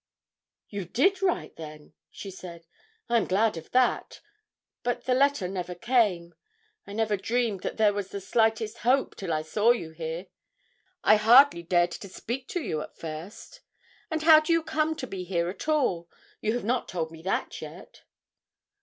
'You did write, then?' she said. 'I am glad of that. But the letter never came. I never dreamed that there was the slightest hope till I saw you here. I hardly dared to speak to you at first. And how do you come to be here at all? You have not told me that yet.'